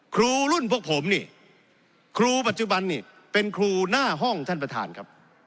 ครูรุ่นพวกผมนี่ครูปัจจุบันนี่เป็นครูหน้าห้องท่านประธานครับ